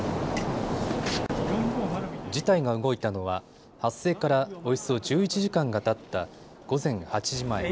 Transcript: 事態が動いたのは発生からおよそ１１時間がたった午前８時前。